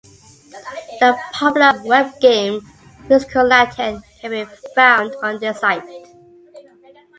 The popular Webgame "Musical Lantern" can be found on this site.